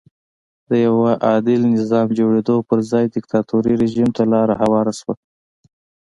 د یوه عادل نظام جوړېدو پر ځای دیکتاتوري رژیم ته لار هواره شوه.